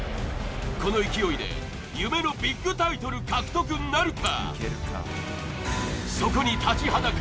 この勢いで夢のビッグタイトル獲得なるか。